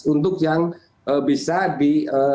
untuk yang bisa di